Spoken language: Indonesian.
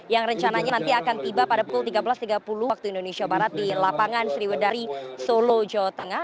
yang rencananya nanti akan tiba pada pukul tiga belas tiga puluh waktu indonesia barat di lapangan sriwedari solo jawa tengah